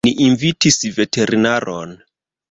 Ni invitis veterinaron.